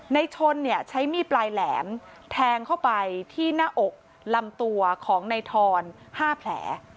ในชนเนี่ยใช้มีดปลายแหลมแทงเข้าไปที่หน้าอกลำตัวของในทอน๕แผล